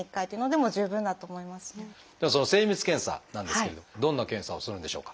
その精密検査なんですけれどもどんな検査をするんでしょうか？